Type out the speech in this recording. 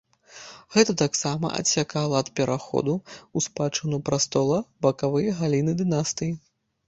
Гэта таксама адсякала ад пераходу ў спадчыну прастола бакавыя галіны дынастыі.